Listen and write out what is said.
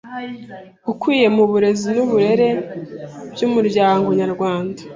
ukwiye mu burezi n’uburere by’umuryango nyarwanda